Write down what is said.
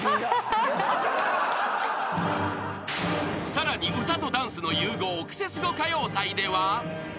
［さらに歌とダンスの融合クセスゴ歌謡祭では］